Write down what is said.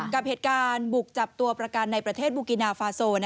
กับเหตุการณ์บุกจับตัวประกันในประเทศบุกินาฟาโซ